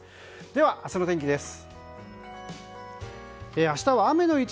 では、明日の天気です。